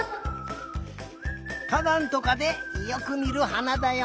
かだんとかでよくみるはなだよ。